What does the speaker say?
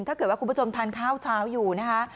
ถ้าเกิดว่าคุณผู้ชมทานข้าวเช้าอยู่นะคะ